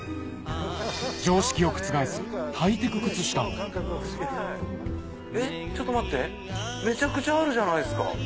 常識を覆すハイテク靴下もちょっと待ってめちゃくちゃあるじゃないですか。